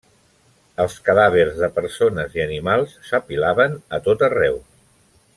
Els cadàvers de persones i animals s'apilaven a tot arreu.